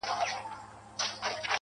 o لږ دي د حُسن له غروره سر ور ټیټ که ته.